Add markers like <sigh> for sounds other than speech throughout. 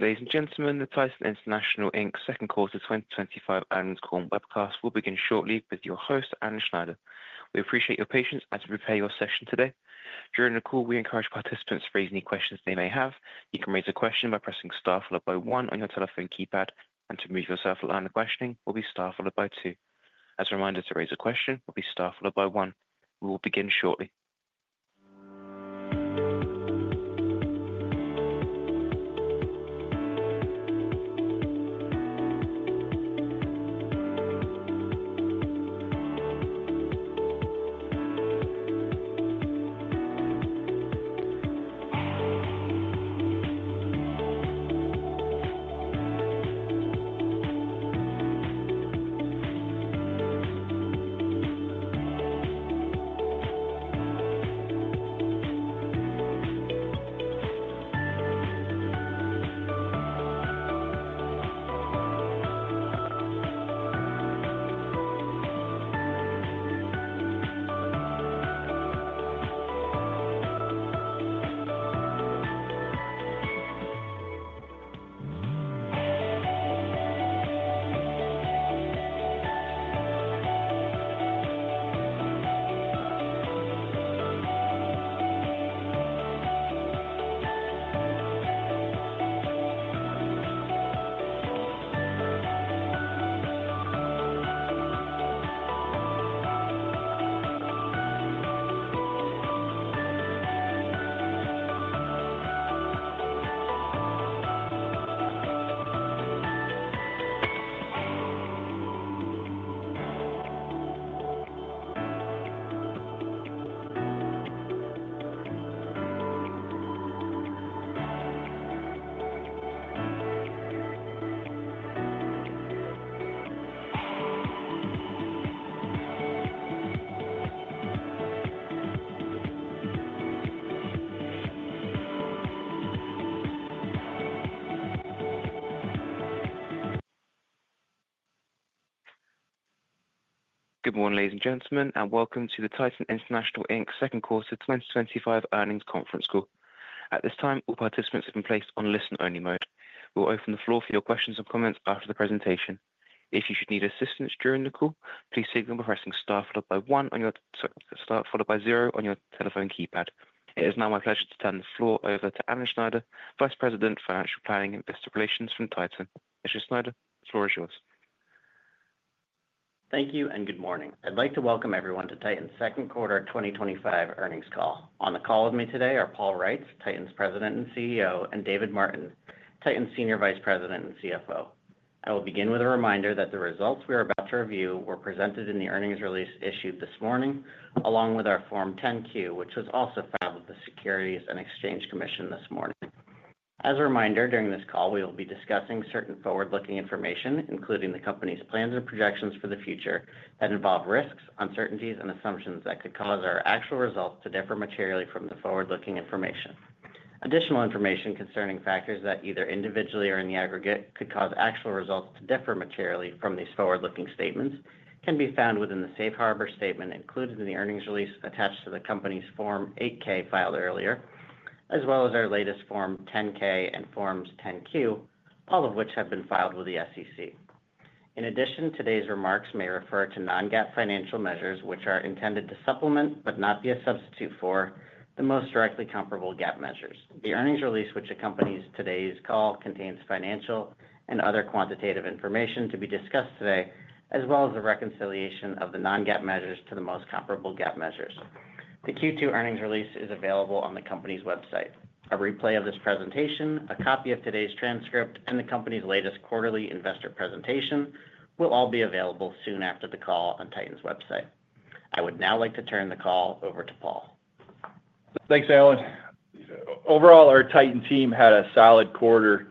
Ladies and gentlemen the Titan International Inc. Second Quarter 2025 Earnings Call and Webcast will begin shortly with your host Alan Snyder. We appreciate your patience as we prepare your session today. During the call we encourage participants to raise any questions they may have. You can raise a question by pressing star followed by 1 on your telephone keypad and to move yourself to the line of questioning it will be star followed by 2. As a reminder to raise a question it will be star followed by 1. We will begin shortly. Good morning ladies and gentlemen and welcome to the Titan International Inc. Second Quarter 2025 Earnings Conference Call. At this time all participants have been placed on listen-only mode. We'll open the floor for your questions and comments after the presentation. If you should need assistance during the call please signal by pressing star followed by 1 on your star followed by 0 on your telephone keypad. It is now my pleasure to turn the floor over to Alan Snyder Vice President Financial Planning and Investor Relations from Titan. Mr. Snyder the floor is yours. Thank you and good morning. I'd like to welcome everyone to Titan's Second Quarter 2025 Earnings Call. On the call with me today are Paul Reitz Titan's President and CEO and David Martin Titan's Senior Vice President and CFO. I will begin with a reminder that the results we are about to review were presented in the earnings release issued this morning along with our Form 10-Q which was also filed with the Securities and Exchange Commission this morning. As a reminder during this call we will be discussing certain forward-looking information including the company's plans and projections for the future that involve risks uncertainties and assumptions that could cause our actual results to differ materially from the forward-looking information. Additional information concerning factors that either individually or in the aggregate could cause actual results to differ materially from these forward-looking statements can be found within the Safe Harbor statement included in the earnings release attached to the company's Form 8-K filed earlier as well as our latest Form 10-K and forms 10-Q all of which have been filed with the SEC. In addition today's remarks may refer to non-GAAP financial measures which are intended to supplement but not be a substitute for the most directly comparable GAAP measures. The earnings release which accompanies today's call contains financial and other quantitative information to be discussed today as well as a reconciliation of the non-GAAP measures to the most comparable GAAP measures. The Q2 earnings release is available on the company's website. A replay of this presentation a copy of today's transcript and the company's latest quarterly investor presentation will all be available soon after the call on Titan's website. I would now like to turn the call over to Paul. Thanks Alan. Overall our Titan team had a solid quarter.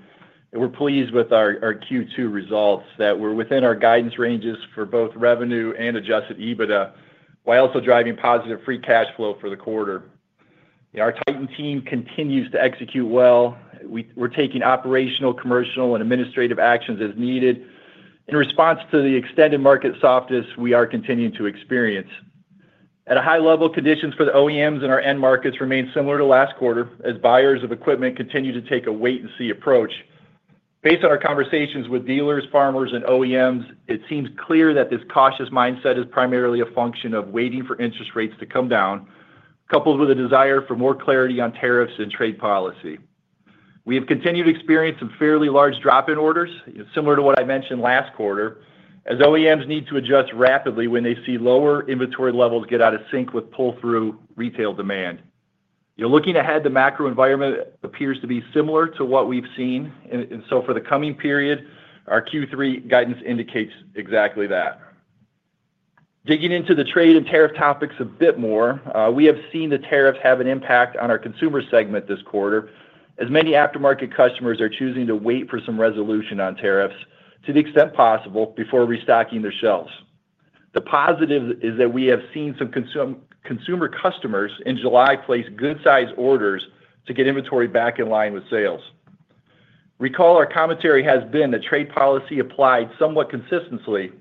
We're pleased with our Q2 results that were within our guidance ranges for both revenue and adjusted EBITDA while also driving positive free cash flow for the quarter. Our Titan team continues to execute well. We're taking operational commercial and administrative actions as needed in response to the extended market softness we are continuing to experience. At a high level conditions for the OEMs in our end markets remain similar to last quarter as buyers of equipment continue to take a wait-and-see approach. Based on our conversations with dealers farmers and OEMs it seems clear that this cautious mindset is primarily a function of waiting for interest rates to come down coupled with a desire for more clarity on tariffs and trade policy. We have continued to experience some fairly large drop-in orders similar to what I mentioned last quarter as OEMs need to adjust rapidly when they see lower inventory levels get out of sync with pull-through retail demand. Looking ahead the macro environment appears to be similar to what we've seen and for the coming period our Q3 guidance indicates exactly that. Digging into the trade and tariff topics a bit more we have seen the tariffs have an impact on our consumer segment this quarter as many aftermarket customers are choosing to wait for some resolution on tariffs to the extent possible before restocking their shelves. The positive is that we have seen some consumer customers in July place good-sized orders to get inventory back in line with sales. Recall our commentary has been that trade policy applied somewhat consistently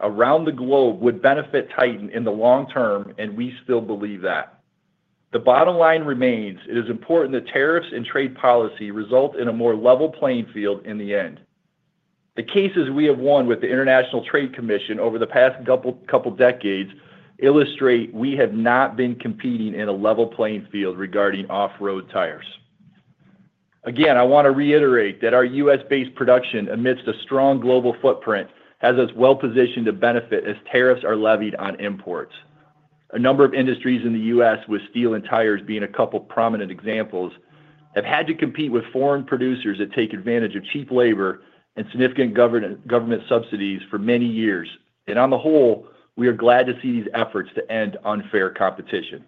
around the globe would benefit Titan in the long term and we still believe that. The bottom line remains it is important that tariffs and trade policy result in a more level playing field in the end. The cases we have won with the International Trade Commission over the past couple decades illustrate we have not been competing in a level playing field regarding off-road tires. Again I want to reiterate that our U.S.-based production amidst a strong global footprint has us well positioned to benefit as tariffs are levied on imports. A number of industries in the U.S. with steel and tires being a couple prominent examples have had to compete with foreign producers that take advantage of cheap labor and significant government subsidies for many years. On the whole we are glad to see these efforts to end unfair competition.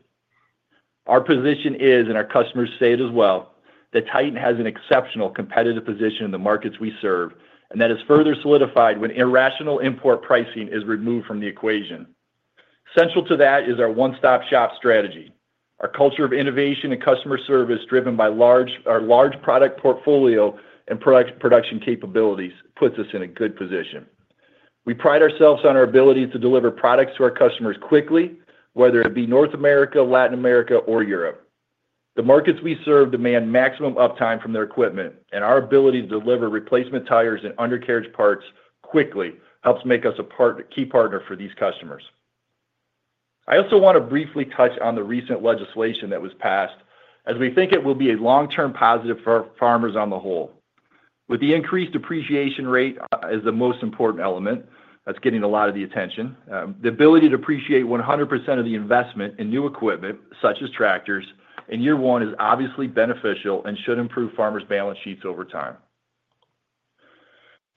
Our position is and our customers say it as well that Titan has an exceptional competitive position in the markets we serve and that is further solidified when irrational import pricing is removed from the equation. Central to that is our one-stop shop strategy. Our culture of innovation and customer service driven by our large product portfolio and production capabilities puts us in a good position. We pride ourselves on our ability to deliver products to our customers quickly whether it be North America Latin America or Europe. The markets we serve demand maximum uptime from their equipment and our ability to deliver replacement tires and undercarriage parts quickly helps make us a key partner for these customers. I also want to briefly touch on the recent legislation that was passed as we think it will be a long-term positive for our farmers on the whole. With the increased depreciation rate as the most important element that's getting a lot of the attention the ability to depreciate 100% of the investment in new equipment such as tractors in year one is obviously beneficial and should improve farmers' balance sheets over time.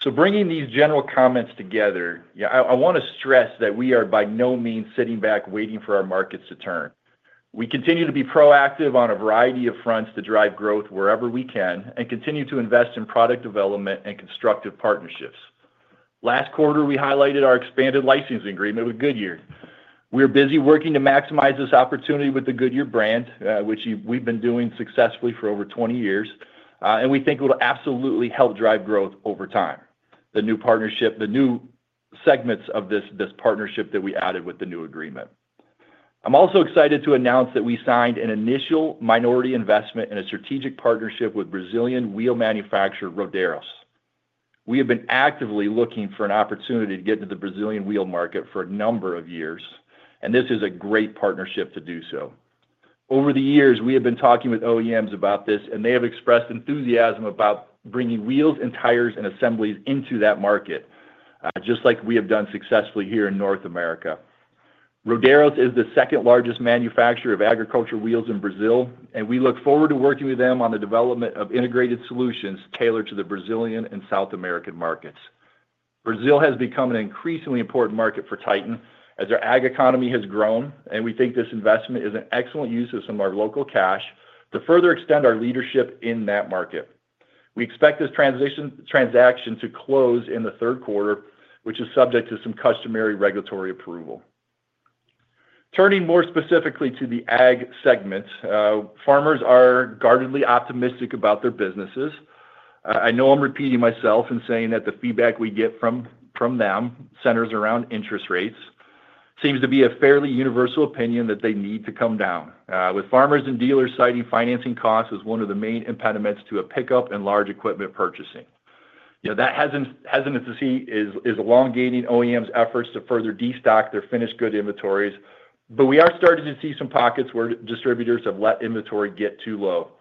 Bringing these general comments together I want to stress that we are by no means sitting back waiting for our markets to turn. We continue to be proactive on a variety of fronts to drive growth wherever we can and continue to invest in product development and constructive partnerships. Last quarter we highlighted our expanded licensing agreement with Goodyear. We are busy working to maximize this opportunity with the Goodyear brand which we've been doing successfully for over 20 years and we think it will absolutely help drive growth over time. The new partnership the new segments of this partnership that we added with the new agreement. I'm also excited to announce that we signed an initial minority investment in a strategic partnership with Brazilian wheel manufacturer Rodaros. We have been actively looking for an opportunity to get into the Brazilian wheel market for a number of years and this is a great partnership to do so. Over the years we have been talking with OEMs about this and they have expressed enthusiasm about bringing wheels and tires and assemblies into that market just like we have done successfully here in North America. Rodaros is the second largest manufacturer of agricultural wheels in Brazil and we look forward to working with them on the development of integrated solutions tailored to the Brazilian and South American markets. Brazil has become an increasingly important market for Titan as our ag economy has grown and we think this investment is an excellent use of some of our local cash to further extend our leadership in that market. We expect this transaction to close in the third quarter which is subject to some customary regulatory approval. Turning more specifically to the ag segment farmers are guardedly optimistic about their businesses. I know I'm repeating myself in saying that the feedback we get from them centers around interest rates. It seems to be a fairly universal opinion that they need to come down with farmers and dealers citing financing costs as one of the main impediments to a pickup in large equipment purchasing. That hesitancy is elongating OEMs' efforts to further destock their finished good inventories but we are starting to see some pockets where distributors have let inventory get too low.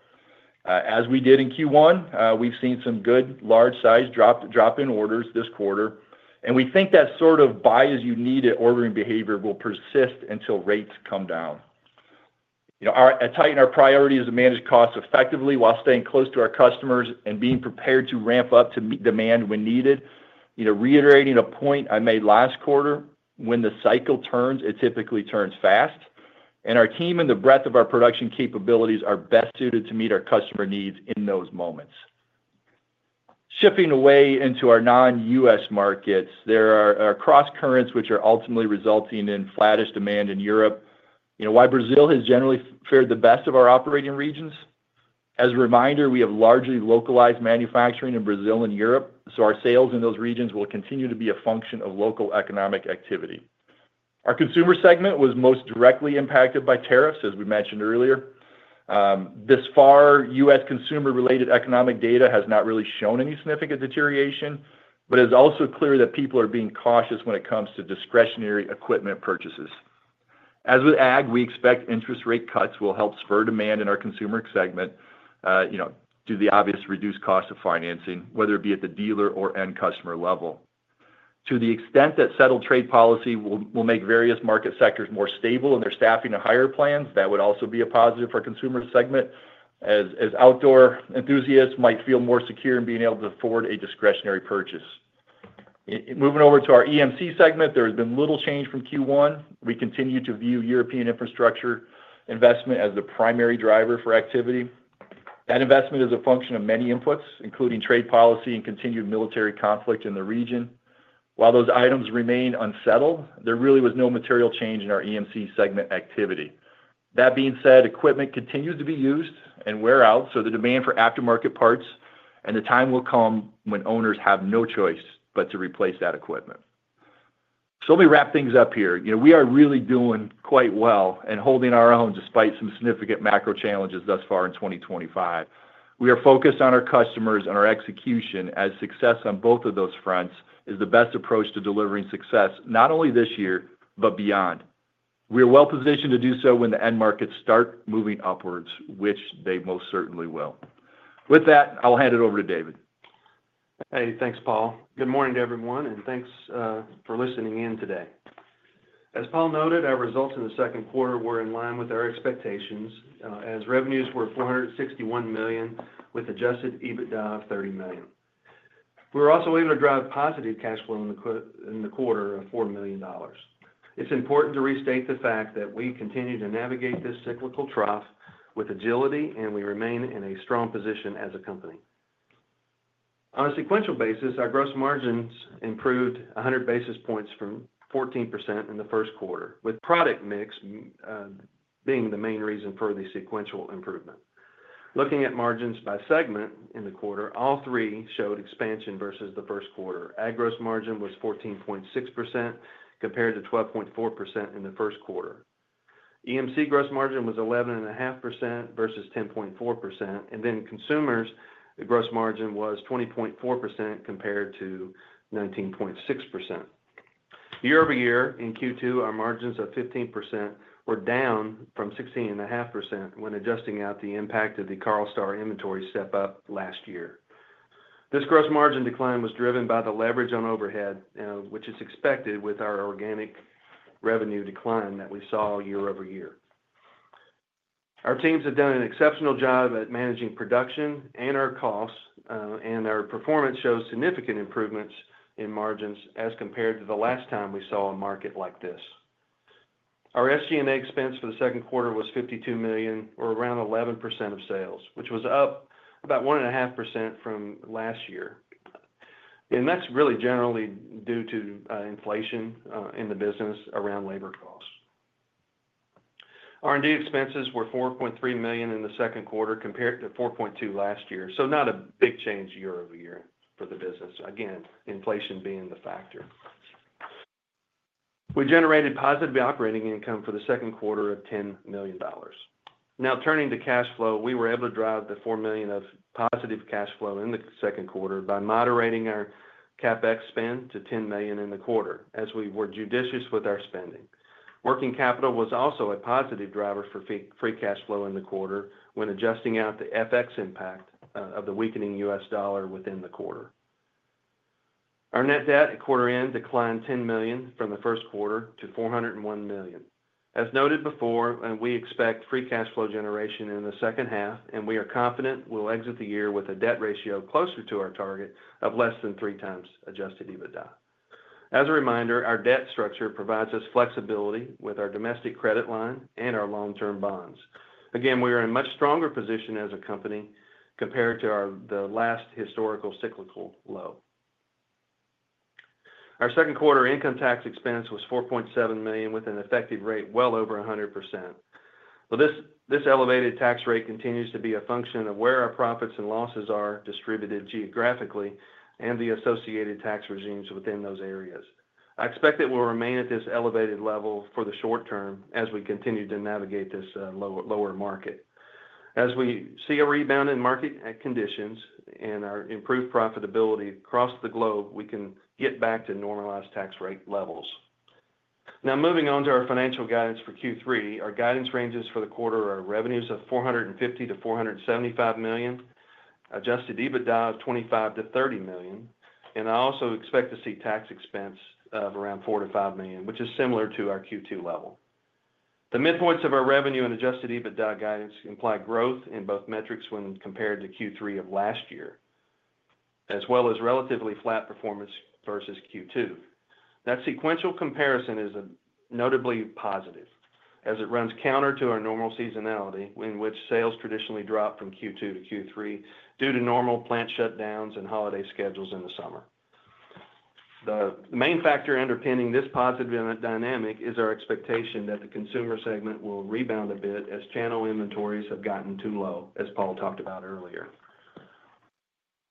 As we did in Q1 we've seen some good large-sized drop-in orders this quarter and we think that sort of bias you need at ordering behavior will persist until rates come down. At Titan our priority is to manage costs effectively while staying close to our customers and being prepared to ramp up to meet demand when needed. Reiterating a point I made last quarter when the cycle turns it typically turns fast and our team and the breadth of our production capabilities are best suited to meet our customer needs in those moments. Shifting away into our non-U.S. markets there are cross-currents which are ultimately resulting in flattish demand in Europe. While Brazil has generally fared the best of our operating regions as a reminder we have largely localized manufacturing in Brazil and Europe so our sales in those regions will continue to be a function of local economic activity. Our consumer segment was most directly impacted by tariffs as we mentioned earlier. Thus far U.S. consumer-related economic data has not really shown any significant deterioration but it is also clear that people are being cautious when it comes to discretionary equipment purchases. As with ag we expect interest rate cuts will help spur demand in our consumer segment due to the obvious reduced cost of financing whether it be at the dealer or end customer level. To the extent that settled trade policy will make various market sectors more stable in their staffing to hire plans that would also be a positive for our consumer segment as outdoor enthusiasts might feel more secure in being able to afford a discretionary purchase. Moving over to our EMC segment there has been little change from Q1. We continue to view European infrastructure investment as the primary driver for activity. That investment is a function of many inputs including trade policy and continued military conflict in the region. While those items remain unsettled there really was no material change in our EMC segment activity. That being said equipment continues to be used and wear out so the demand for aftermarket parts and the time will come when owners have no choice but to replace that equipment. Let me wrap things up here. We are really doing quite well and holding our own despite some significant macro challenges thus far in 2025. We are focused on our customers and our execution as success on both of those fronts is the best approach to delivering success not only this year but beyond. We are well positioned to do so when the end markets start moving upwards which they most certainly will. With that I'll hand it over to David. Hey thanks Paul. Good morning to everyone and thanks for listening in today. As Paul noted our results in the second quarter were in line with our expectations as revenues were $461 million with adjusted EBITDA of $30 million. We were also able to drive positive cash flow in the quarter of $4 million. It's important to restate the fact that we continue to navigate this cyclical trough with agility and we remain in a strong position as a company. On a sequential basis our gross margins improved 100 basis points from 14% in the first quarter with product mix being the main reason for the sequential improvement. Looking at margins by segment in the quarter all three showed expansion versus the first quarter. Ag gross margin was 14.6% compared to 12.4% in the first quarter. EMC gross margin was 11.5% versus 10.4% and then consumers gross margin was 20.4% compared to 19.6%. Year-over-year in Q2 our margins of 15% were down from 16.5% when adjusting out the impact of the Carlstar inventory step-up last year. This gross margin decline was driven by the leverage on overhead which is expected with our organic revenue decline that we saw year-over-year. Our teams have done an exceptional job at managing production and our costs and our performance shows significant improvements in margins as compared to the last time we saw a market like this. Our SG&A expense for the second quarter was $52 million or around 11% of sales which was up about 1.5% from last year. That is really generally due to inflation in the business around labor costs. R&D expenses were $4.3 million in the second quarter compared to $4.2 million last year so not a big change year-over-year for the business again inflation being the factor. We generated positive operating income for the second quarter of $10 million. Now turning to cash flow we were able to drive the $4 million of positive cash flow in the second quarter by moderating our CapEx spend to $10 million in the quarter as we were judicious with our spending. Working capital was also a positive driver for free cash flow in the quarter when adjusting out the FX impact of the weakening U.S. dollar within the quarter. Our net debt at quarter end declined $10 million from the first quarter to $401 million. As noted before we expect free cash flow generation in the second half and we are confident we'll exit the year with a debt ratio closer to our target of less than 3x adjusted EBITDA. As a reminder our debt structure provides us flexibility with our domestic credit line and our long-term bonds. Again we are in a much stronger position as a company compared to the last historical cyclical low. Our second quarter income tax expense was $4.7 million with an effective rate well over 100%. This elevated tax rate continues to be a function of where our profits and losses are distributed geographically and the associated tax regimes within those areas. I expect it will remain at this elevated level for the short term as we continue to navigate this lower market. As we see a rebound in market conditions and our improved profitability across the globe we can get back to normalized tax rate levels. Now moving on to our financial guidance for Q3 our guidance ranges for the quarter are revenues of $450 million-$475 million adjusted EBITDA of $25 million-$30 million and I also expect to see tax expense of around $4 million-$5 million which is similar to our Q2 level. The midpoints of our revenue and adjusted EBITDA guidance imply growth in both metrics when compared to Q3 of last year as well as relatively flat performance versus Q2. That sequential comparison is notably positive as it runs counter to our normal seasonality in which sales traditionally drop from Q2 to Q3 due to normal plant shutdowns and holiday schedules in the summer. The main factor underpinning this positive dynamic is our expectation that the consumer segment will rebound a bit as channel inventories have gotten too low as Paul talked about earlier.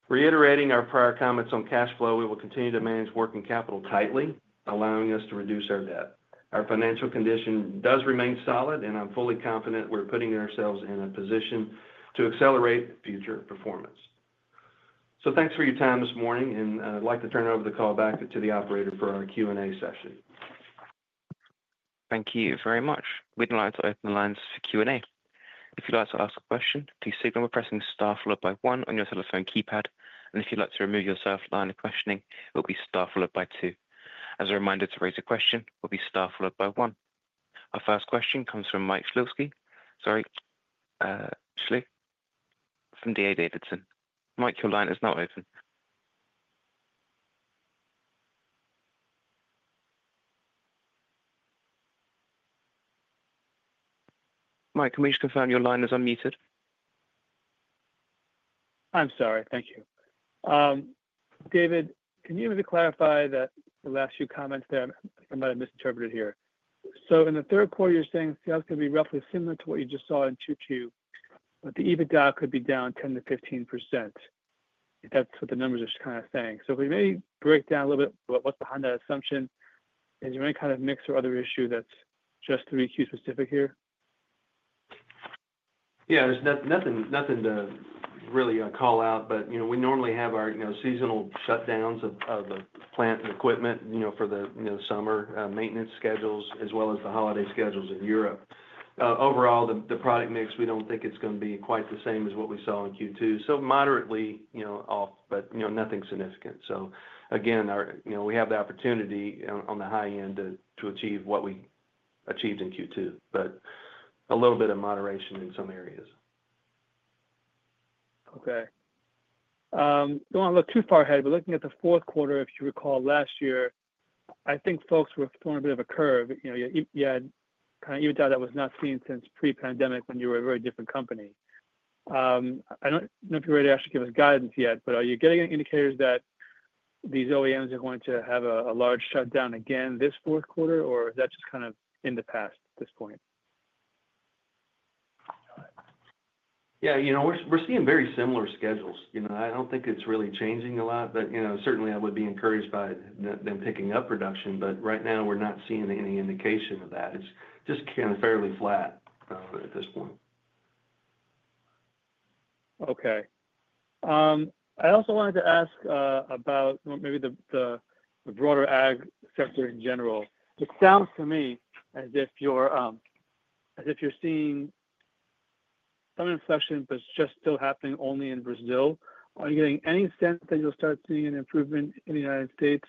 Reiterating our prior comments on cash flow we will continue to manage working capital tightly allowing us to reduce our debt. Our financial condition does remain solid and I'm fully confident we're putting ourselves in a position to accelerate future performance. Thanks for your time this morning and I'd like to turn over the call back to the operator for our Q&A session. Thank you very much. We'd like to open the lines for Q&A. If you'd like to ask a question please signal by pressing star followed by 1 on your telephone keypad and if you'd like to remove yourself from the line of questioning it will be star followed by 2. As a reminder to raise a question it will be star followed by 1. Our first question comes from Mike Shlisky from D.A. Davidson. Mike your line is now open. Mike can we just confirm your line is unmuted? I'm sorry. Thank you. David can you maybe clarify the last few comments there? I might have misinterpreted it here. In the third quarter you're saying sales could be roughly similar to what you just saw in Q2 but the EBITDA could be down 10%-15%. That's what the numbers are kind of saying. Can you maybe break down a little bit about what's behind that assumption? Is there any kind of mix or other issue that's just 3Q specific here? Yeah there's nothing to really call out but you know we normally have our seasonal shutdowns of plant and equipment for the summer maintenance schedules as well as the holiday schedules in Europe. Overall the product mix we don't think it's going to be quite the same as what we saw in Q2. It's moderately off but nothing significant. We have the opportunity on the high end to achieve what we achieved in Q2 but a little bit of moderation in some areas. Okay. Don't want to look too far ahead but looking at the fourth quarter if you recall last year I think folks were throwing a bit of a curve. You had kind of EBITDA that was not seen since pre-pandemic when you were a very different company. I don't know if you're ready to actually give us guidance yet but are you getting any indicators that these OEMs are going to have a large shutdown again this fourth quarter or is that just kind of in the past at this point? Yeah we're seeing very similar schedules. I don't think it's really changing a lot but I would be encouraged by them picking up production. Right now we're not seeing any indication of that. It's just kind of fairly flat at this point. Okay. I also wanted to ask about maybe the broader ag sector in general. It sounds to me as if you're seeing some inflection but it's just still happening only in Brazil. Are you getting any sense that you'll start seeing an improvement in the United States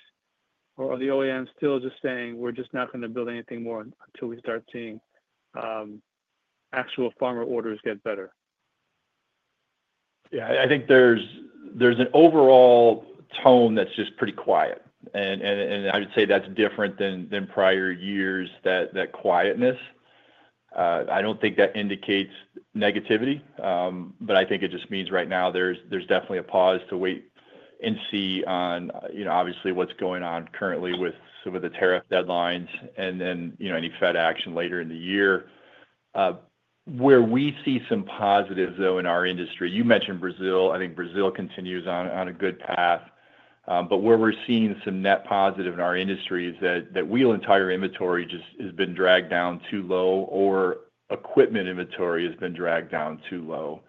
or are the OEMs still just saying we're just not going to build anything more until we start seeing actual farmer orders get better? Yeah I think there's an overall tone that's just pretty quiet and I would say that's different than prior years that quietness. I don't think that indicates negativity but I think it just means right now there's definitely a pause to wait and see on what's going on currently with some of the tariff deadlines and then any Fed action later in the year. Where we see some positives though in our industry you mentioned Brazil. I think Brazil continues on a good path but where we're seeing some net positive in our industry is that wheel and tire inventory just has been dragged down too low or equipment inventory has been dragged down too low.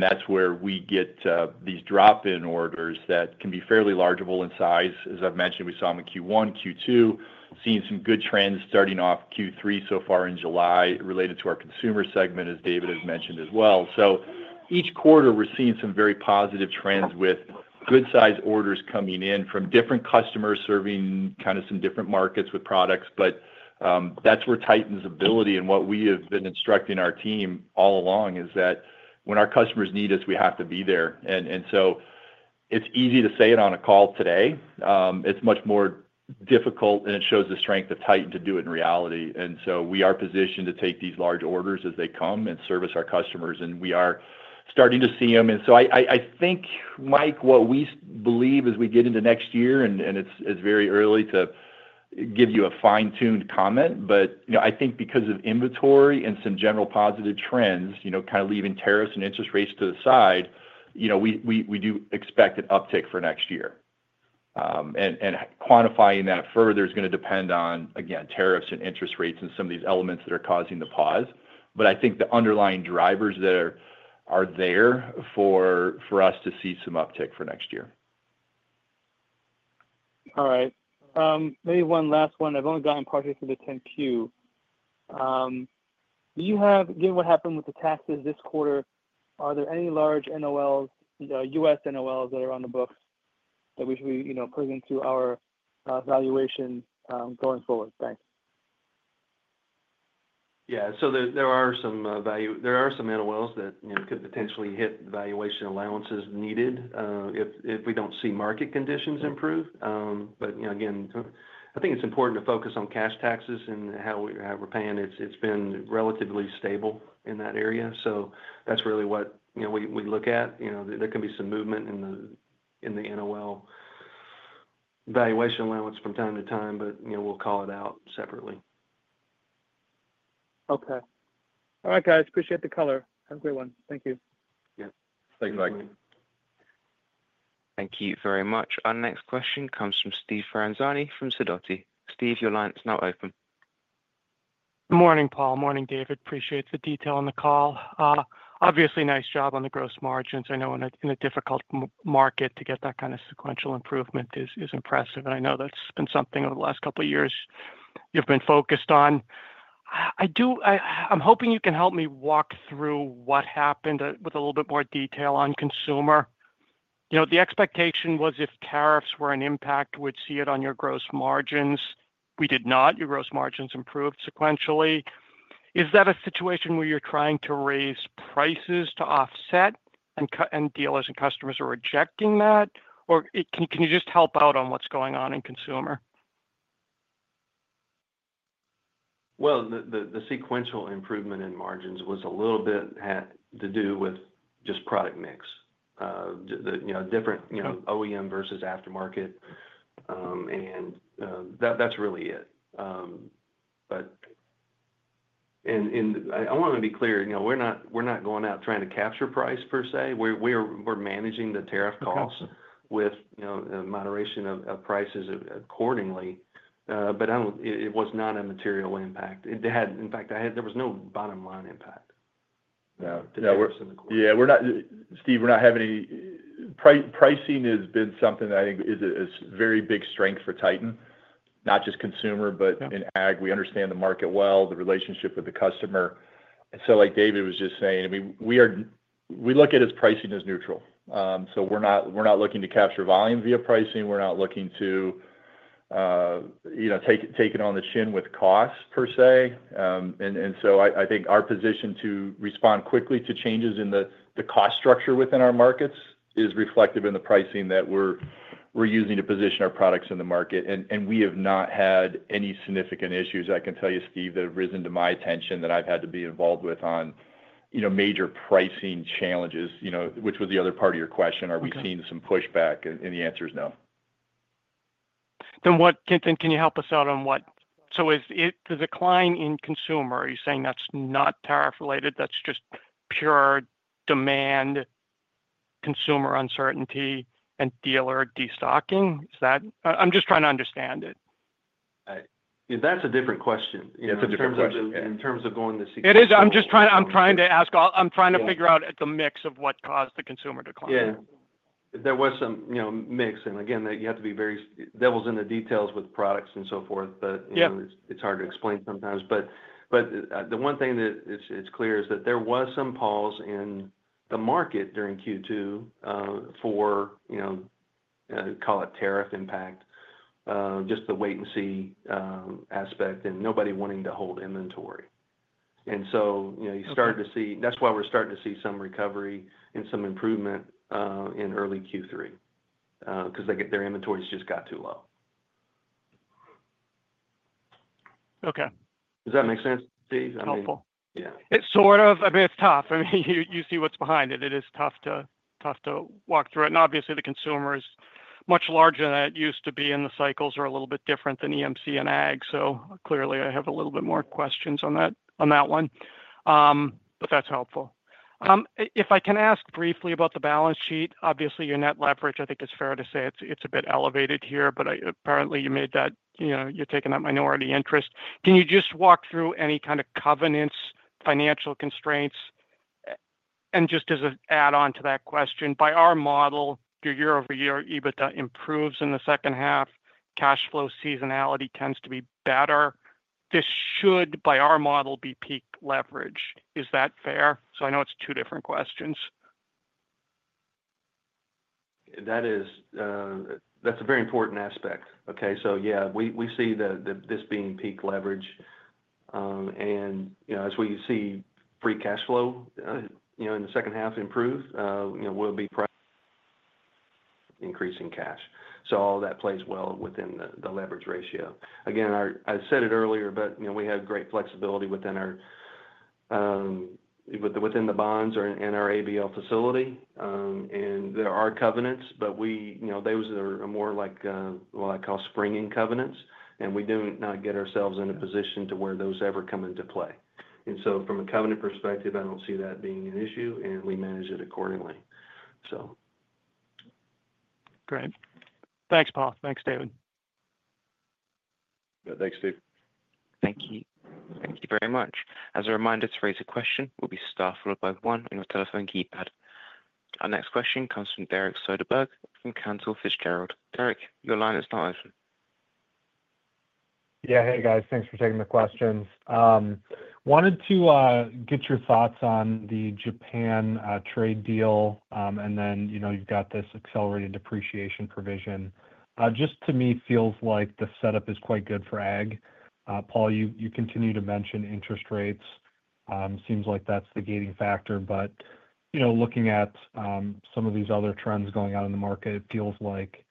That's where we get these drop-in orders that can be fairly largeable in size. As I've mentioned we saw them in Q1 Q2 seeing some good trends starting off Q3 so far in July related to our consumer segment as David has mentioned as well. Each quarter we're seeing some very positive trends with good-sized orders coming in from different customers serving kind of some different markets with products. That's where Titan's ability and what we have been instructing our team all along is that when our customers need us we have to be there. It's easy to say it on a call today. It's much more difficult and it shows the strength of Titan to do it in reality. We are positioned to take these large orders as they come and service our customers and we are starting to see them. I think Mike what we believe as we get into next year and it's very early to give you a fine-tuned comment but I think because of inventory and some general positive trends kind of leaving tariffs and interest rates to the side we do expect an uptick for next year. Quantifying that further is going to depend on again tariffs and interest rates and some of these elements that are causing the pause. I think the underlying drivers that are there for us to see some uptick for next year. All right. Maybe one last one. I've only gone partially through the 10-Q. Given what happened with the taxes this quarter are there any large NOLs U.S. NOLs that are on the books that we should be putting into our valuation going forward? Thanks. Yeah there are some NOLs that could potentially hit valuation allowances needed if we don't see market conditions improve. I think it's important to focus on cash taxes and how we're paying. It's been relatively stable in that area. That's really what we look at. There can be some movement in the NOL valuation allowance from time to time but we'll call it out separately. Okay. All right guys. Appreciate the color. Have a great one. Thank you. Yeah thanks Mike. Thank you very much. Our next question comes from Steve Ferazani from Sidoti. Steve your line is now open. Morning Paul. Morning David. Appreciate the detail on the call. Obviously nice job on the gross margins. I know in a difficult market to get that kind of sequential improvement is impressive. I know that's been something over the last couple years you've been focused on. I'm hoping you can help me walk through what happened with a little bit more detail on consumer. The expectation was if tariffs were an impact we'd see it on your gross margins. We did not. Your gross margins improved sequentially. Is that a situation where you're trying to raise prices to offset and dealers and customers are rejecting that? Can you just help out on what's going on in consumer? The sequential improvement in margins was a little bit to do with just product mix different OEM versus aftermarket. That's really it. I want to be clear you know we're not going out trying to capture price per se. We're managing the tariff costs with moderation of prices accordingly. It was not a material impact. In fact there was no bottom line impact. Yeah we're not Steve we're not having any. Pricing has been something that I think is a very big strength for Titan not just consumer but in ag. We understand the market well the relationship with the customer. Like David was just saying I mean we look at it as pricing as neutral. We're not looking to capture volume via pricing. We're not looking to you know take it on the chin with costs per se. I think our position to respond quickly to changes in the cost structure within our markets is reflective in the pricing that we're using to position our products in the market. We have not had any significant issues. I can tell you Steve that have risen to my attention that I've had to be involved with on you know major pricing challenges which was the other part of your question. Are we seeing some pushback? The answer is no. Can you help us out on what—is it the decline in consumer? Are you saying that's not tariff-related? That's just pure demand consumer uncertainty and dealer destocking? I'm just trying to understand it. That's a different question. It's a different question. In terms of going to sequence. I'm trying to figure out the mix of what caused the consumer decline. Yeah there was some mix and again you have to be very devil's in the details with products and so forth. It's hard to explain sometimes. The one thing that is clear is that there was some pause in the market during Q2 for you know call it tariff impact just the wait and see aspect and nobody wanting to hold inventory. You started to see and that's why we're starting to see some recovery and some improvement in early Q3 because their inventories just got too low. Okay. Does that make sense Steve? It's helpful. Yeah. It's tough. You see what's behind it. It is tough to walk through it. Obviously the consumer is much larger than it used to be and the cycles are a little bit different than EMC and ag. Clearly I have a little bit more questions on that one. That's helpful. If I can ask briefly about the balance sheet obviously your net leverage I think it's fair to say it's a bit elevated here but apparently you made that you're taking that minority interest. Can you just walk through any kind of covenants financial constraints? Just as an add-on to that question by our model your year-over-year EBITDA improves in the second half. Cash flow seasonality tends to be better. This should by our model be peak leverage. Is that fair? I know it's two different questions. That's a very important aspect. Okay we see this being peak leverage. As we see free cash flow in the second half improve we'll be <audio distortion> increasing cash. All of that plays well within the leverage ratio. Again I said it earlier but we have great flexibility within the bonds and our ABL facility. There are covenants but those are more like I call springing covenants. We do not get ourselves in a position to where those ever come into play. From a covenant perspective I don't see that being an issue and we manage it accordingly. Great. Thanks Paul. Thanks David. Thanks Steve. Thank you. Thank you very much. As a reminder to raise a question it will be star followed by 1 on your telephone keypad. Our next question comes from Derek Soderberg from Cantor Fitzgerald. Derek your line is now open. Yeah hey guys thanks for taking the questions. I wanted to get your thoughts on the Japan trade deal and then you've got this accelerated depreciation provision. Just to me it feels like the setup is quite good for ag. Paul you continue to mention interest rates. It seems like that's the gating factor but looking at some of these other trends going on in the market it feels like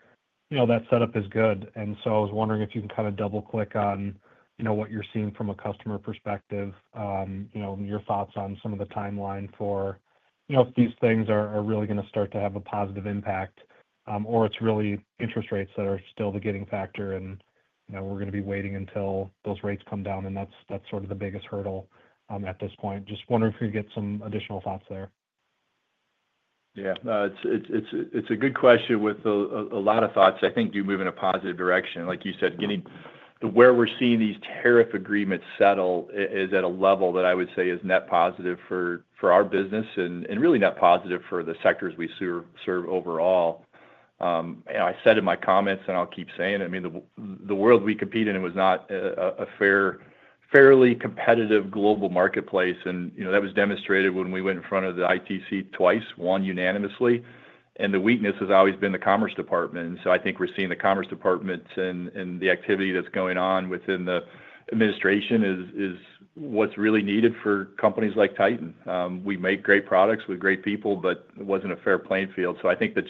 that setup is good. I was wondering if you can kind of double-click on what you're seeing from a customer perspective your thoughts on some of the timeline for if these things are really going to start to have a positive impact or if it's really interest rates that are still the gating factor and we're going to be waiting until those rates come down and that's sort of the biggest hurdle at this point. Just wondering if you could get some additional thoughts there. Yeah it's a good question with a lot of thoughts. I think you move in a positive direction. Like you said getting to where we're seeing these tariff agreements settle is at a level that I would say is net positive for our business and really net positive for the sectors we serve overall. I said in my comments and I'll keep saying it the world we compete in was not a fairly competitive global marketplace. That was demonstrated when we went in front of the ITC twice won unanimously. The weakness has always been the Commerce Department. I think we're seeing the Commerce Department and the activity that's going on within the administration is what's really needed for companies like Titan. We make great products with great people but it wasn't a fair playing field. I think the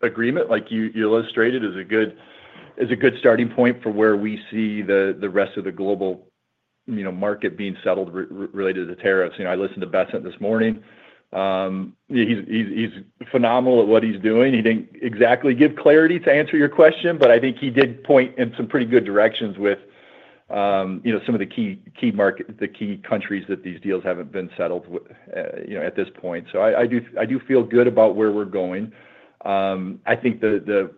Japan agreement like you illustrated is a good starting point for where we see the rest of the global market being settled related to tariffs. I listened to Bessent this morning. He's phenomenal at what he's doing. He didn't exactly give clarity to answer your question but I think he did point in some pretty good directions with some of the key countries that these deals haven't been settled at this point. I do feel good about where we're going. I think the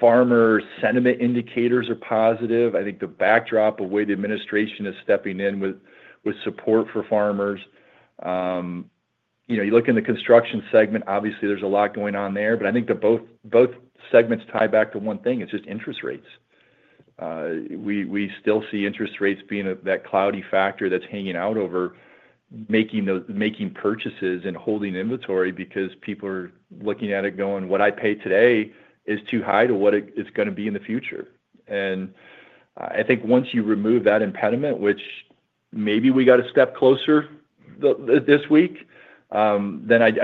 farmer sentiment indicators are positive. I think the backdrop of the way the administration is stepping in with support for farmers. You look in the construction segment obviously there's a lot going on there but I think that both segments tie back to one thing. It's just interest rates. We still see interest rates being that cloudy factor that's hanging out over making purchases and holding inventory because people are looking at it going what I pay today is too high to what it's going to be in the future. I think once you remove that impediment which maybe we got a step closer this week I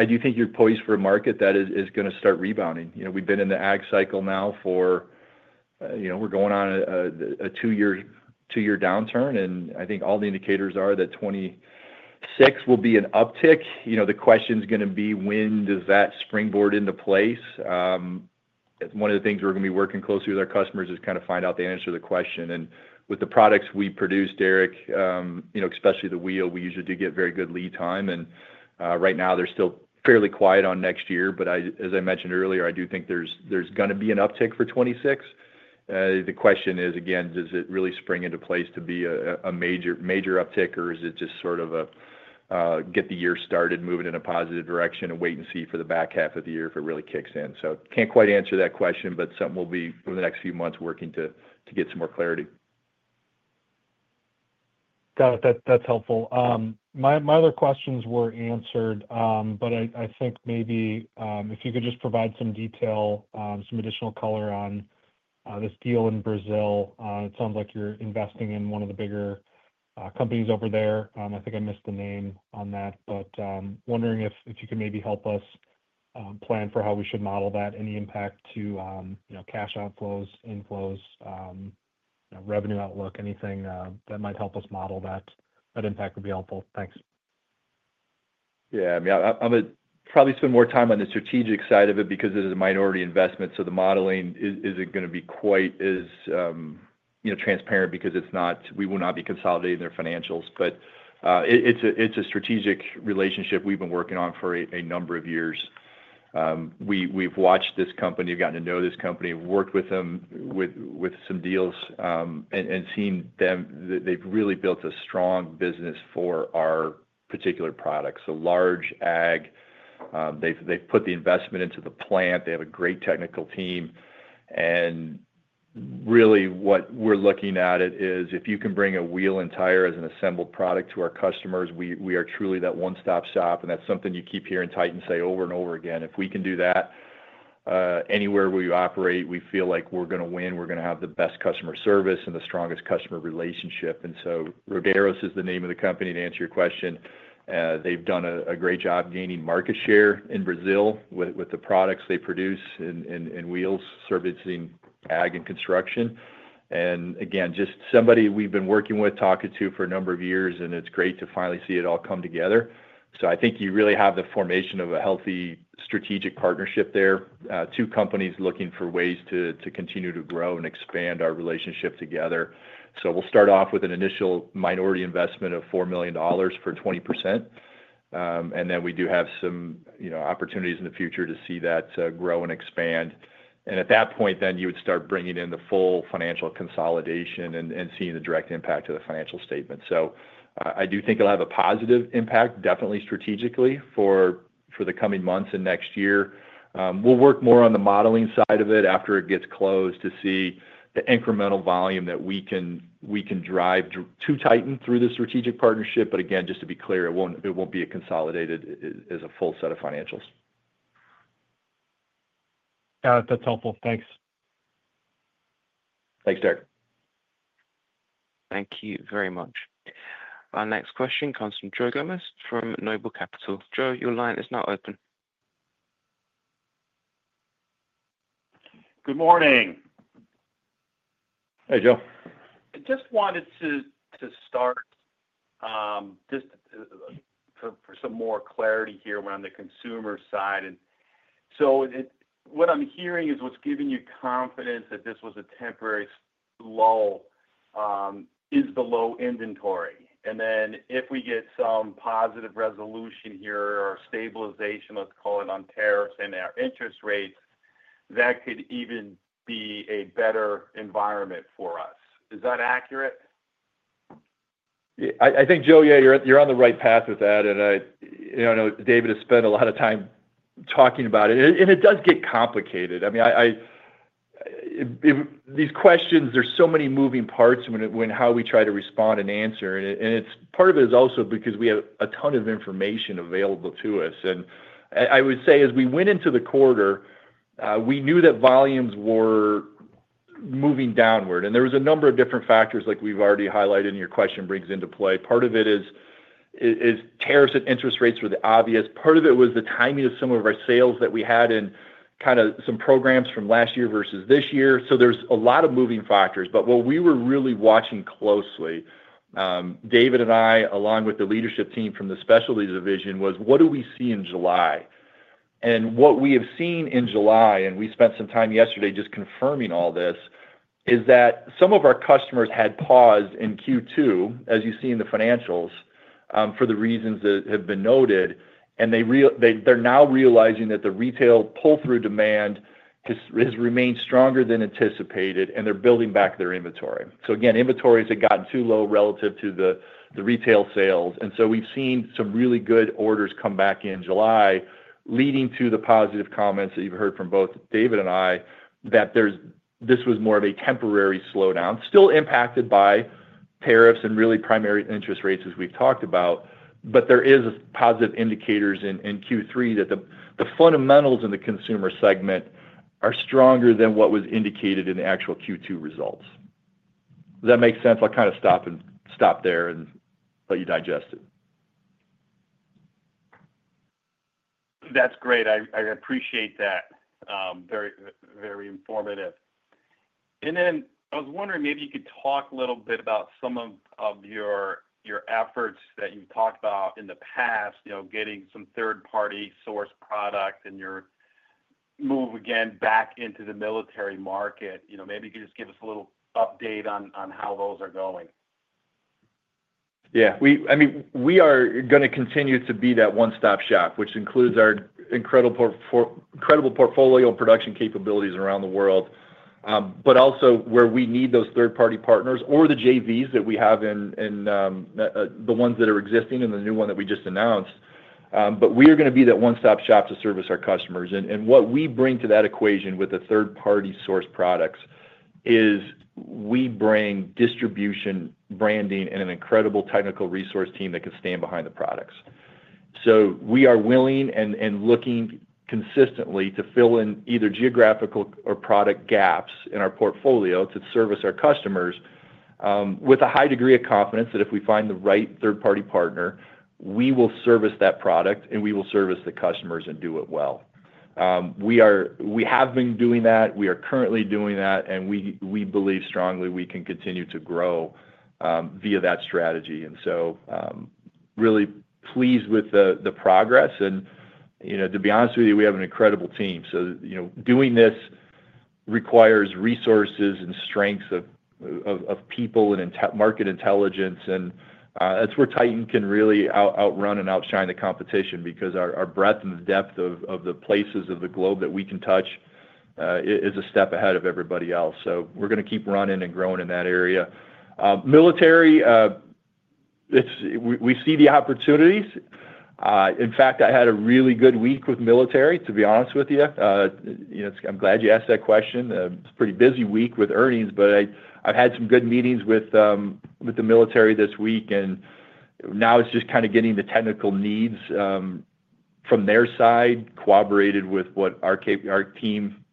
do think you're poised for a market that is going to start rebounding. We've been in the ag cycle now for you know we're going on a two-year downturn and I think all the indicators are that 2026 will be an uptick. The question is going to be when does that springboard into place? One of the things we're going to be working closely with our customers is kind of find out the answer to the question. With the products we produced Derek especially the wheel we usually do get very good lead time. Right now they're still fairly quiet on next year. As I mentioned earlier I do think there's going to be an uptick for 2026. The question is again does it really spring into place to be a major uptick or is it just sort of a get the year started move it in a positive direction and wait and see for the back half of the year if it really kicks in? I can't quite answer that question but something we'll be over the next few months working to get some more clarity. Got it. That's helpful. My other questions were answered. I think maybe if you could just provide some detail some additional color on this deal in Brazil. It sounds like you're investing in one of the bigger companies over there. I think I missed the name on that but wondering if you could maybe help us plan for how we should model that any impact to cash outflows inflows revenue outlook anything that might help us model that. That impact would be helpful. Thanks. Yeah I mean I'm going to probably spend more time on the strategic side of it because it is a minority investment. The modeling isn't going to be quite as transparent because we will not be consolidating their financials. It's a strategic relationship we've been working on for a number of years. We've watched this company we've gotten to know this company we've worked with them with some deals and seen them that they've really built a strong business for our particular products. Large ag they've put the investment into the plant. They have a great technical team. What we're looking at is if you can bring a wheel and tire as an assembled product to our customers we are truly that one-stop shop. That's something you keep hearing Titan say over and over again. If we can do that anywhere we operate we feel like we're going to win. We're going to have the best customer service and the strongest customer relationship. Rodaros is the name of the company to answer your question. They've done a great job gaining market share in Brazil with the products they produce in wheels servicing ag and construction. Again just somebody we've been working with talking to for a number of years and it's great to finally see it all come together. I think you really have the formation of a healthy strategic partnership there. Two companies looking for ways to continue to grow and expand our relationship together. We'll start off with an initial minority investment of $4 million for 20%. We do have some opportunities in the future to see that grow and expand. At that point you would start bringing in the full financial consolidation and seeing the direct impact to the financial statement. I do think it'll have a positive impact definitely strategically for the coming months and next year. We'll work more on the modeling side of it after it gets closed to see the incremental volume that we can drive to Titan through the strategic partnership. Again just to be clear it won't be consolidated as a full set of financials. Got it. That's helpful. Thanks. Thanks Derek. Thank you very much. Our next question comes from Joe Gomes from Noble Capital. Joe your line is now open. Good morning. Hey Joe. Just wanted to start for some more clarity here around the consumer side. What I'm hearing is what's giving you confidence that this was a temporary lull is the low inventory. If we get some positive resolution here or stabilization let's call it on tariffs and our interest rates that could even be a better environment for us. Is that accurate? I think Joe yeah you're on the right path with that. I know David has spent a lot of time talking about it. It does get complicated. I mean these questions there's so many moving parts when how we try to respond and answer. Part of it is also because we have a ton of information available to us. I would say as we went into the quarter we knew that volumes were moving downward. There were a number of different factors like we've already highlighted in your question brings into play. Part of it is tariffs and interest rates were the obvious. Part of it was the timing of some of our sales that we had in kind of some programs from last year versus this year. There are a lot of moving factors. What we were really watching closely David and I along with the leadership team from the Specialty division was what do we see in July? What we have seen in July and we spent some time yesterday just confirming all this is that some of our customers had paused in Q2 as you see in the financials for the reasons that have been noted. They're now realizing that the retail pull-through demand has remained stronger than anticipated and they're building back their inventory. Again inventories have gotten too low relative to the retail sales. We've seen some really good orders come back in July leading to the positive comments that you've heard from both David and I that this was more of a temporary slowdown still impacted by tariffs and really primary interest rates as we've talked about. There are positive indicators in Q3 that the fundamentals in the consumer segment are stronger than what was indicated in the actual Q2 results. Does that make sense? I'll kind of stop there and let you digest it. That's great. I appreciate that. Very informative. I was wondering maybe you could talk a little bit about some of your efforts that you talked about in the past you know getting some third-party source products and your move again back into the military market. Maybe you could just give us a little update on how those are going. Yeah I mean we are going to continue to be that one-stop shop which includes our incredible portfolio and production capabilities around the world but also where we need those third-party partners or the JVs that we have in the ones that are existing and the new one that we just announced. We are going to be that one-stop shop to service our customers. What we bring to that equation with the third-party source products is we bring distribution branding and an incredible technical resource team that can stand behind the products. We are willing and looking consistently to fill in either geographical or product gaps in our portfolio to service our customers with a high degree of confidence that if we find the right third-party partner we will service that product and we will service the customers and do it well. We have been doing that. We are currently doing that. We believe strongly we can continue to grow via that strategy. Really pleased with the progress. To be honest with you we have an incredible team. Doing this requires resources and strengths of people and market intelligence. That's where Titan can really outrun and outshine the competition because our breadth and depth of the places of the globe that we can touch is a step ahead of everybody else. We're going to keep running and growing in that area. Military we see the opportunities. In fact I had a really good week with military to be honest with you. I'm glad you asked that question. It was a pretty busy week with earnings but I've had some good meetings with the military this week. Now it's just kind of getting the technical needs from their side corroborated with what our team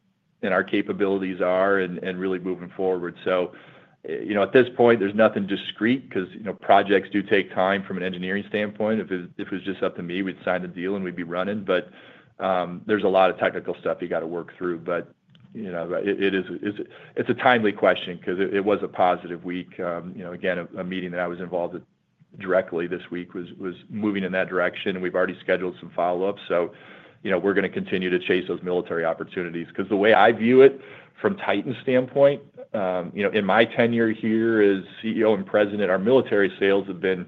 and our capabilities are and really moving forward. At this point there's nothing discrete because projects do take time from an engineering standpoint. If it was just up to me we'd sign the deal and we'd be running. There's a lot of technical stuff you got to work through. It's a timely question because it was a positive week. A meeting that I was involved in directly this week was moving in that direction. We've already scheduled some follow-ups. We're going to continue to chase those military opportunities because the way I view it from Titan's standpoint in my tenure here as CEO and President our military sales have been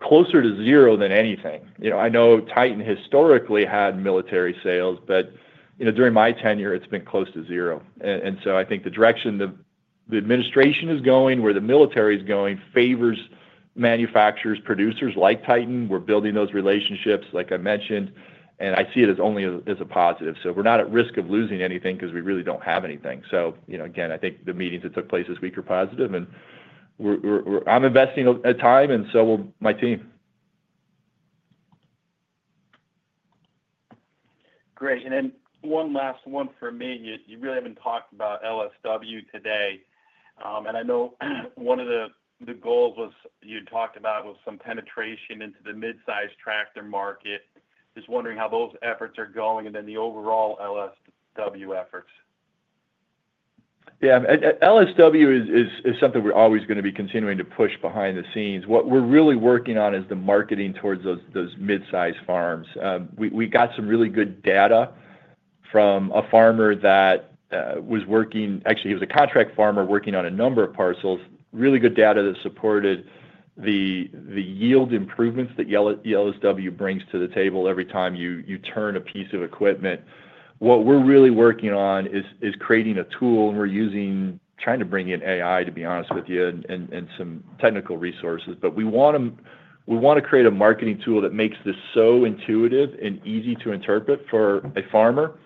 closer to zero than anything. I know Titan historically had military sales but during my tenure it's been close to zero. I think the direction the administration is going where the military is going favors manufacturers producers like Titan. We're building those relationships like I mentioned. I see it only as a positive. We're not at risk of losing anything because we really don't have anything. I think the meetings that took place this week are positive. I'm investing my time and so will my team. Great. One last one for me. You really haven't talked about LSW today. I know one of the goals you had talked about was some penetration into the mid-size tractor market. Just wondering how those efforts are going and the overall LSW efforts. Yeah LSW is something we're always going to be continuing to push behind the scenes. What we're really working on is the marketing towards those mid-size farms. We got some really good data from a farmer that was working actually he was a contract farmer working on a number of parcels really good data that supported the yield improvements that LSW brings to the table every time you turn a piece of equipment. What we're really working on is creating a tool and we're using trying to bring in AI to be honest with you and some technical resources. We want to create a marketing tool that makes this so intuitive and easy to interpret for a farmer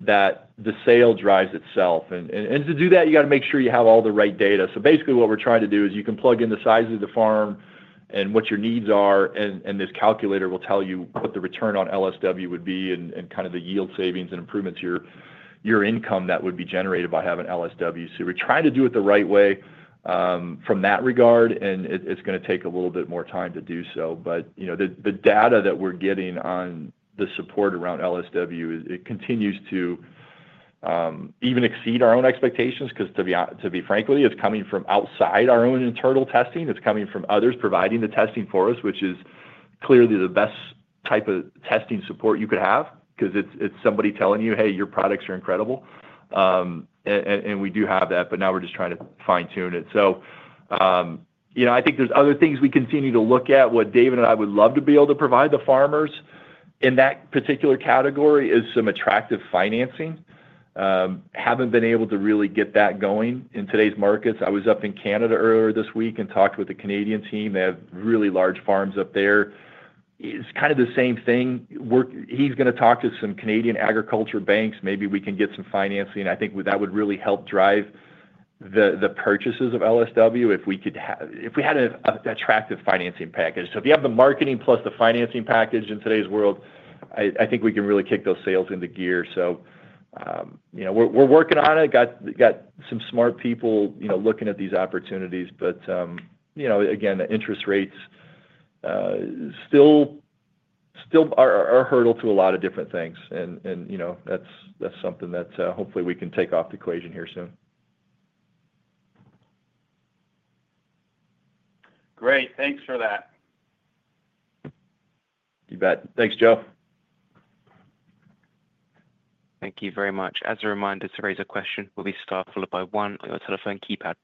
that the sale drives itself. To do that you got to make sure you have all the right data. Basically what we're trying to do is you can plug in the size of the farm and what your needs are and this calculator will tell you what the return on LSW would be and kind of the yield savings and improvements to your income that would be generated by having LSW. We're trying to do it the right way from that regard and it's going to take a little bit more time to do so. The data that we're getting on the support around LSW is it continues to even exceed our own expectations because to be frank with you it's coming from outside our own internal testing. It's coming from others providing the testing for us which is clearly the best type of testing support you could have because it's somebody telling you hey your products are incredible. We do have that but now we're just trying to fine-tune it. I think there's other things we continue to look at. What David and I would love to be able to provide the farmers in that particular category is some attractive financing. Haven't been able to really get that going in today's markets. I was up in Canada earlier this week and talked with the Canadian team. They have really large farms up there. It's kind of the same thing. He's going to talk to some Canadian agriculture banks. Maybe we can get some financing. I think that would really help drive the purchases of LSW if we had an attractive financing package. If you have the marketing plus the financing package in today's world I think we can really kick those sales into gear. We're working on it. Got some smart people looking at these opportunities. The interest rates still are a hurdle to a lot of different things. That's something that hopefully we can take off the equation here soon. Great thanks for that. You bet. Thanks Joe. Thank you very much. As a reminder to raise a question it will be star followed by 1 on your telephone keypad.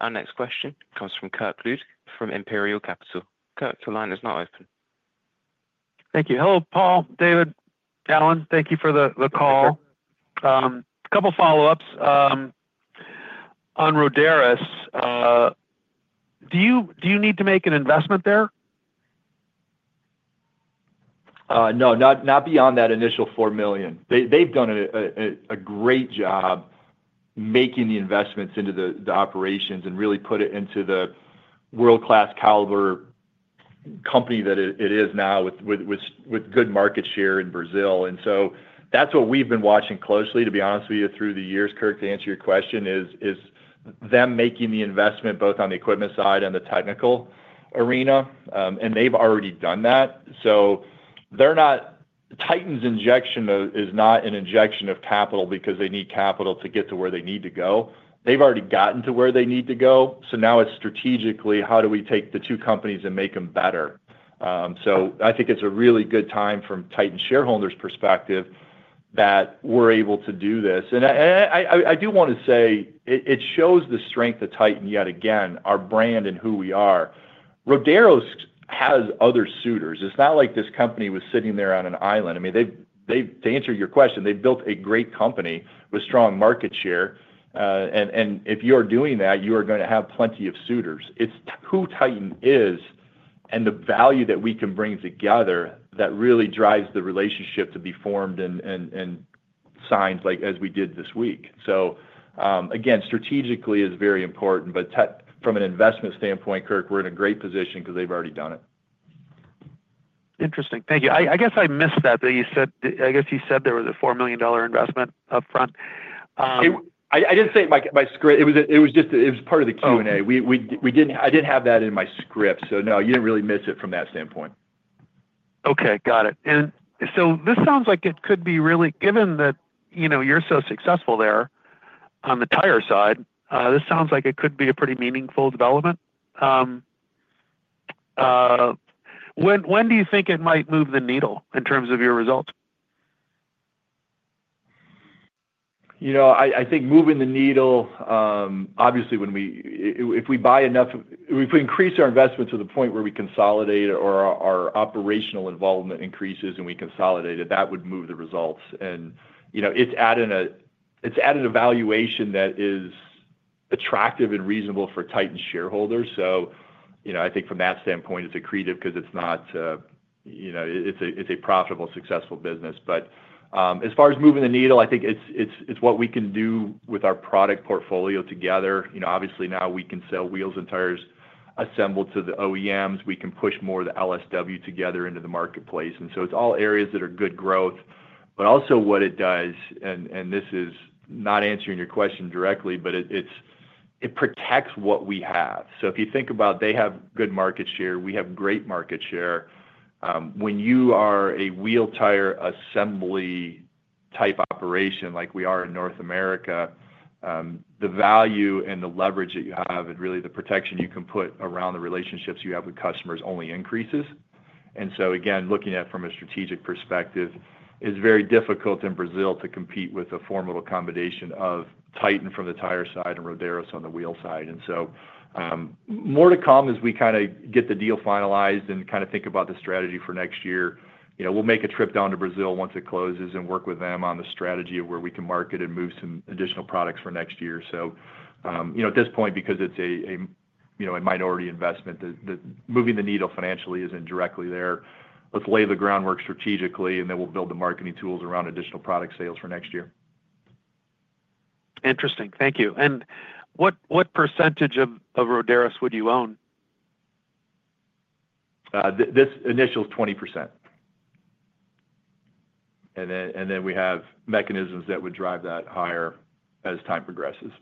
Our next question comes from Kirk Ludtke from Imperial Capital. Kirk your line is now open. Thank you. Hello Paul David Alan. Thank you for the call. Couple of follow-ups on Rodaros. Do you need to make an investment there? No not beyond that initial $4 million. They've done a great job making the investments into the operations and really put it into the world-class caliber company that it is now with good market share in Brazil. That's what we've been watching closely to be honest with you through the years. Kirk to answer your question is them making the investment both on the equipment side and the technical arena. They've already done that. Titan's injection is not an injection of capital because they need capital to get to where they need to go. They've already gotten to where they need to go. Now it's strategically how do we take the two companies and make them better? I think it's a really good time from Titan shareholders' perspective that we're able to do this. I do want to say it shows the strength of Titan yet again our brand and who we are. Rodaros has other suitors. It's not like this company was sitting there on an island. They've built a great company with strong market share. If you are doing that you are going to have plenty of suitors. It's who Titan is and the value that we can bring together that really drives the relationship to be formed and signed like as we did this week. Strategically it's very important. From an investment standpoint Kirk we're in a great position because they've already done it. Interesting. Thank you. I guess I missed that. You said there was a $4 million investment upfront. I didn't say it. It was just part of the Q&A. I didn't have that in my script. No you didn't really miss it from that standpoint. Got it. This sounds like it could be really given that you know you're so successful there on the tire side this sounds like it could be a pretty meaningful development. When do you think it might move the needle in terms of your results? I think moving the needle obviously if we buy enough if we increase our investments to the point where we consolidate or our operational involvement increases and we consolidate it that would move the results. You know it's at an evaluation that is attractive and reasonable for Titan shareholders. I think from that standpoint it's accretive because it's not you know it's a profitable successful business. As far as moving the needle I think it's what we can do with our product portfolio together. Obviously now we can sell wheels and tires assembled to the OEMs. We can push more of the LSW together into the marketplace. It's all areas that are good growth. Also what it does and this is not answering your question directly but it protects what we have. If you think about it they have good market share we have great market share. When you are a wheel tire assembly type operation like we are in North America the value and the leverage that you have and really the protection you can put around the relationships you have with customers only increases. Again looking at it from a strategic perspective it's very difficult in Brazil to compete with a formidable combination of Titan from the tire side and Rodaros on the wheel side. More to come as we kind of get the deal finalized and kind of think about the strategy for next year. We will make a trip down to Brazil once it closes and work with them on the strategy of where we can market and move some additional products for next year. At this point because it's a minority investment moving the needle financially is indirectly there. Let's lay the groundwork strategically and then we'll build the marketing tools around additional product sales for next year. Interesting. Thank you. What percentage of Rodaros would you own? This initial is 20%. We have mechanisms that would drive that higher as time progresses.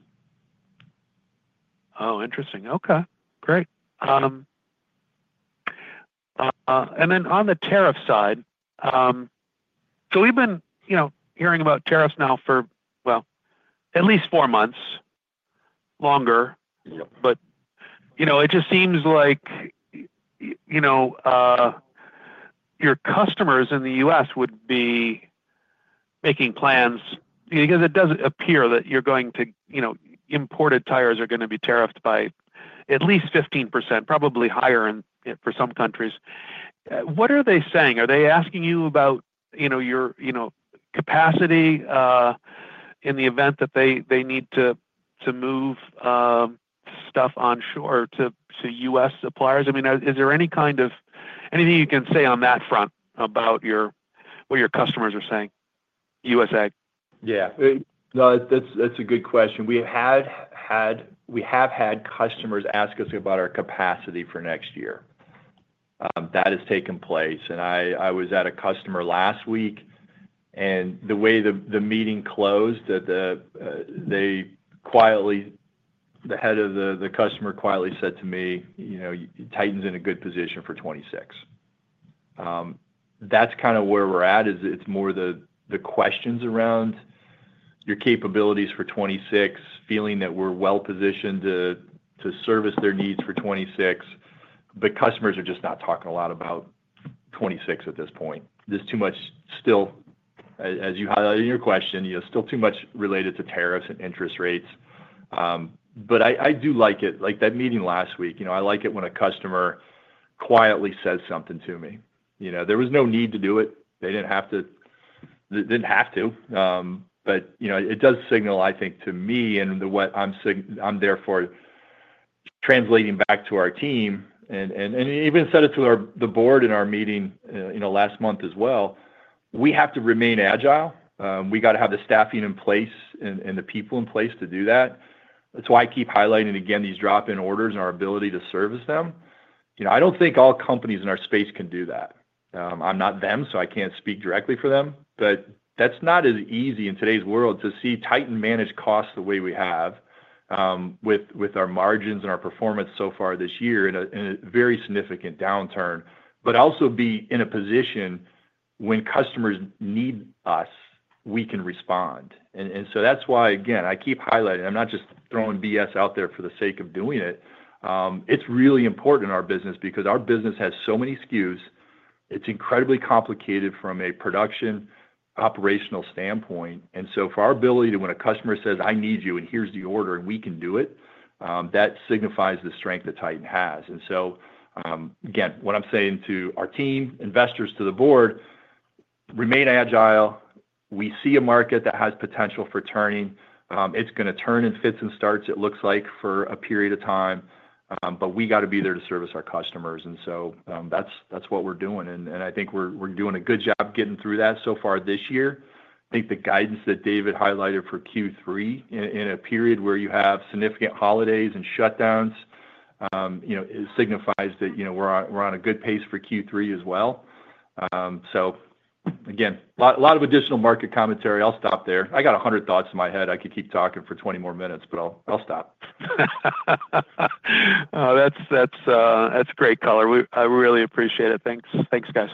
Interesting. Okay. Great. On the tariff side we've been hearing about tariffs now for at least four months longer. It just seems like your customers in the U.S. would be making plans because it doesn't appear that imported tires are going to be tariffed by at least 15% probably higher for some countries. What are they saying? Are they asking you about your capacity in the event that they need to move stuff onshore to U.S. suppliers? Is there anything you can say on that front about what your customers are saying U.S. ag? Yeah that's a good question. We have had customers ask us about our capacity for next year. That has taken place. I was at a customer last week and the way the meeting closed the head of the customer quietly said to me Titan's in a good position for 2026. That's kind of where we're at. It's more the questions around your capabilities for 2026 feeling that we're well positioned to service their needs for 2026. Customers are just not talking a lot about 2026 at this point. There's too much still as you highlight in your question still too much related to tariffs and interest rates. I do like it like that meeting last week. I like it when a customer quietly says something to me. There was no need to do it. They didn't have to. It does signal I think to me and what I'm there for translating back to our team and even said it to the board in our meeting last month as well. We have to remain agile. We got to have the staffing in place and the people in place to do that. That's why I keep highlighting again these drop-in orders and our ability to service them. I don't think all companies in our space can do that. I'm not them so I can't speak directly for them. That's not as easy in today's world to see Titan manage costs the way we have with our margins and our performance so far this year in a very significant downturn but also be in a position when customers need us we can respond. That's why again I keep highlighting I'm not just throwing BS out there for the sake of doing it. It's really important in our business because our business has so many skews. It's incredibly complicated from a production operational standpoint. For our ability to when a customer says I need you and here's the order and we can do it that signifies the strength that Titan has. Again what I'm saying to our team investors to the board remain agile. We see a market that has potential for turning. It's going to turn in fits and starts it looks like for a period of time. We got to be there to service our customers. That's what we're doing. I think we're doing a good job getting through that so far this year. I think the guidance that David highlighted for Q3 in a period where you have significant holidays and shutdowns it signifies that we're on a good pace for Q3 as well. A lot of additional market commentary. I'll stop there. I got 100 thoughts in my head. I could keep talking for 20 more minutes but I'll stop. That's great color. I really appreciate it. Thanks guys.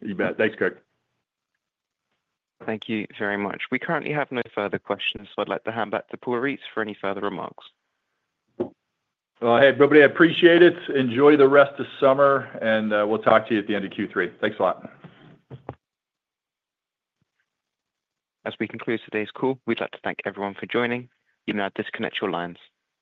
You bet. Thanks Kirk. Thank you very much. We currently have no further questions so I'd like to hand back to Paul Reitz for any further remarks. Hey everybody I appreciate it. Enjoy the rest of summer and we'll talk to you at the end of Q3. Thanks a lot. As we conclude today's call we'd like to thank everyone for joining. You may now disconnect your lines.